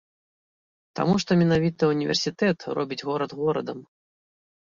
Таму што менавіта універсітэт робіць горад горадам.